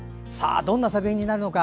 どんな作品になるのか。